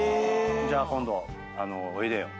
「じゃあ今度おいでよ」。